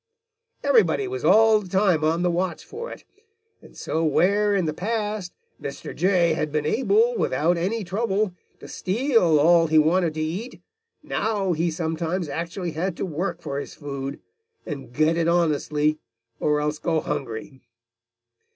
Everybody was all the time on the watch for it, and so where in the past Mr. Jay had been able, without any trouble, to steal all he wanted to eat, now he sometimes actually had to work for his food, and get it honestly or else go hungry.